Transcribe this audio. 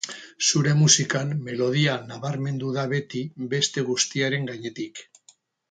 Zure musikan, melodia nabarmendu da beti beste guztiaren gainetik.